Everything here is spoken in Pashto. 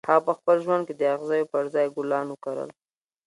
هغه په خپل ژوند کې د اغزیو پر ځای ګلان وکرل